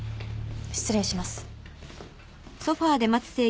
失礼します。